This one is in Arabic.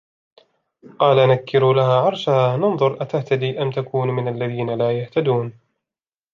قَالَ نَكِّرُوا لَهَا عَرْشَهَا نَنْظُرْ أَتَهْتَدِي أَمْ تَكُونُ مِنَ الَّذِينَ لَا يَهْتَدُونَ